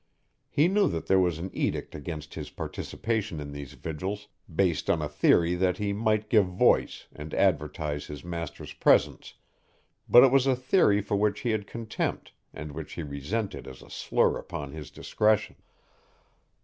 He knew that there was an edict against his participation in these vigils, based on a theory that he might give voice and advertise his master's presence, but it was a theory for which he had contempt and which he resented as a slur upon his discretion.